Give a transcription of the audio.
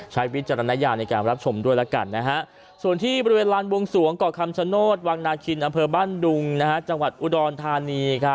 ใช้พิจารณณาในการรับชมด้วยนะฮะเส่อที่ประเวจลาน